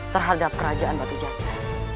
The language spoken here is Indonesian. terhadap kerajaan batu janja